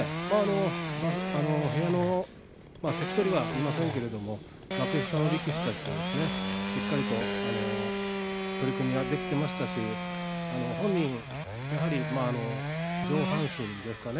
部屋には関取はいませんが幕下の力士たちとしっかりと取組ができていましたし本人、上半身ですかね